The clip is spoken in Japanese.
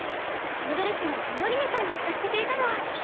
このドレスもミオリネさんが貸してくれたの。